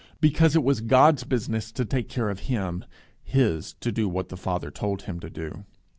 Because it was God's business to take care of him, his to do what the Father told him to do.